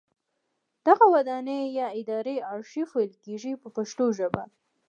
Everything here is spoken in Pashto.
دغه ودانۍ یا ادارې ارشیف ویل کیږي په پښتو ژبه.